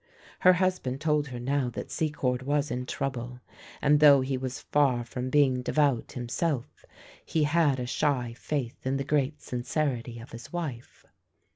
Her husband told her now that Secord was in trouble, and though he was far from being devout himself, he had a shy faith in the great sincerity of his wife.